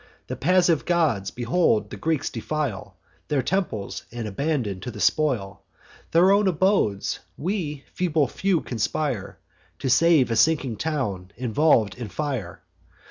The passive gods behold the Greeks defile Their temples, and abandon to the spoil Their own abodes: we, feeble few, conspire To save a sinking town, involv'd in fire.